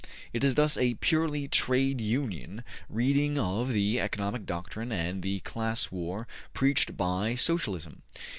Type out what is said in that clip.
It is thus a purely Trade Union reading of the economic doctrine and the class war preached by Socialism.